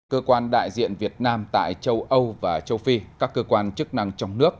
cơ quan đại diện việt nam tại châu âu và châu phi các cơ quan chức năng trong nước